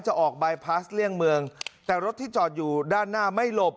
ออกบายพลาสเลี่ยงเมืองแต่รถที่จอดอยู่ด้านหน้าไม่หลบ